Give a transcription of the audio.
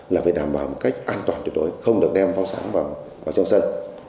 là phải đảm bảo một cách an toàn tuyệt đối không được đem pháo sáng vào trong sân